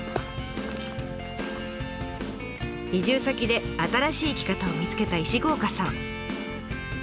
移住先で新しい生き方を見つけた石郷岡さん。